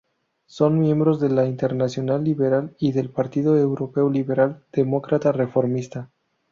Son miembros de la Internacional Liberal y del Partido Europeo Liberal Demócrata Reformista.